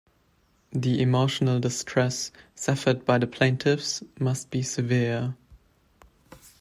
The emotional distress suffered by the plaintiffs must be severe.